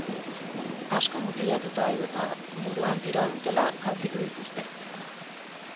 Asko mutilatuta edota buruan tiroa dutela aurkitu dituzte.